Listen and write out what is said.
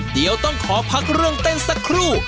เดี๋ยวต้องขอพักเรื่องเต้นสักครู่